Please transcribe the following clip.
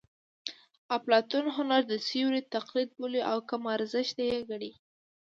اپلاتون هنر د سیوري تقلید بولي او کم ارزښته یې ګڼي